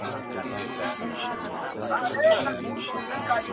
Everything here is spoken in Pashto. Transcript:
د ژړي مازیګر منګیه دړي وړي سې چي پروت یې!!